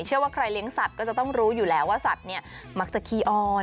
เชื่อว่าใครเลี้ยงสัตว์ก็จะต้องรู้อยู่แล้วว่าสัตว์เนี่ยมักจะขี้อ้อน